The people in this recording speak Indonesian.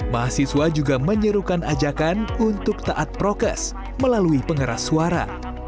mahasiswa juga menyerukan ajakan untuk taat prokes melalui pengeras suara